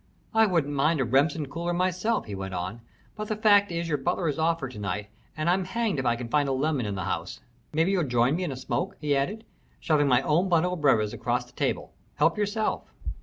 "I wouldn't mind a Remsen cooler myself," he went on, "but the fact is your butler is off for to night, and I'm hanged if I can find a lemon in the house. Maybe you'll join me in a smoke?" he added, shoving my own bundle of brevas across the table. "Help yourself."